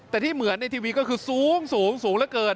แต่ที่เหมือนในทีวีก็คือสูงสูงเหลือเกิน